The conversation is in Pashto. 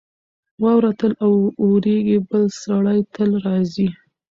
واوره تل اورېږي. بل سړی تل راځي.